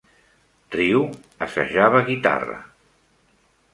Ryu assajava guitarra.